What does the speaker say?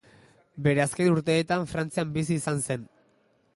Bere azken urteetan Frantzian bizi izan zen.